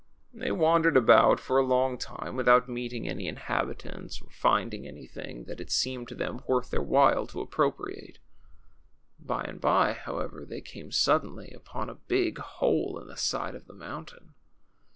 They Avandered about for a long time Avithout meeting any inhabitants or finding anything that it seemed to them worth their Avhile to appropriate. By and by, hoAA^ever, they came suddenly upon a big hole in the side of the mountain.